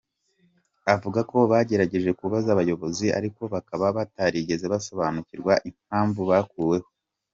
Avuga ko bagerageje kubaza abayobozi ariko bakaba batarigeze basobanurirwa impamvu bakuweho.